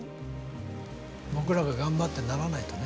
僕らが頑張ってならないとね。